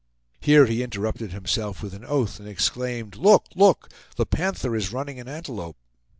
Here he interrupted himself with an oath and exclaimed: "Look! look! The Panther is running an antelope!"